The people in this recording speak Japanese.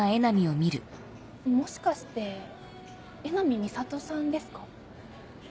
もしかして江波美里さんですか？